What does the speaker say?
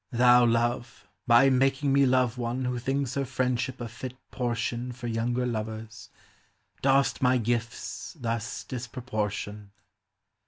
Thou, Love, by making me love one Who thinks her friendship a fit portion For younger lovers, dost my gifts thus dispropoiv tion.